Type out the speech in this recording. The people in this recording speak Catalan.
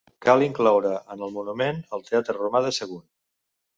Cal incloure en el monument el teatre romà de Sagunt.